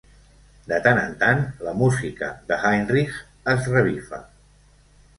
De tant en tant la música de Heinrich es revifa.